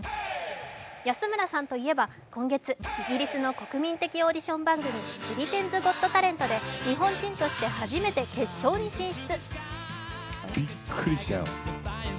安村さんといえば、今月イギリスの国民的オーディション番組「ブリテンズ・ゴット・タレント」で日本人として初めて決勝に進出。